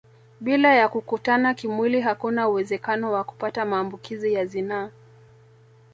Bila ya kukutana kimwili hakuna uwezekano wa kupata maambukizi ya zinaa